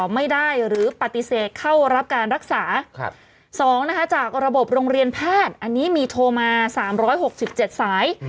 ไม่ได้หรือปฏิเสธเข้ารับการรักษา๒นะคะจากระบบโรงเรียนแพทย์อันนี้มีโทรมา๓๖๗สาย